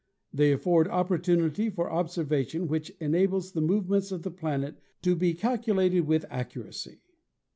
They afford opportunity for observation which enables the movements of the planet to be calculated with accu racy.